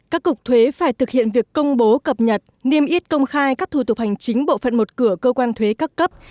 các cục thuế phải thực hiện việc công bố cập nhật niêm yết công khai các thủ tục hành chính bộ phận một cửa cơ quan thuế các cấp